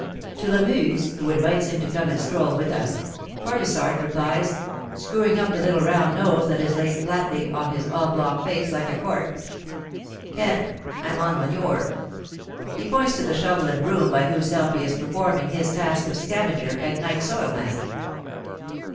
To Lamuse, who invites him to come and stroll with us, Corvisart replies, screwing up the little round nose that is laid flatly on his oblong face like a cork, "Can't I'm on manure!" He points to the shovel and broom by whose help he is performing his task of scavenger and night soil man.